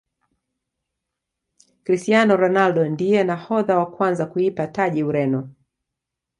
cristiano ronaldo ndiye nahodha wa kwanza kuipa taji Ureno